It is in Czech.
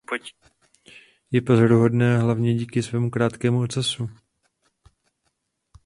Je pozoruhodné hlavně díky svému krátkému ocasu.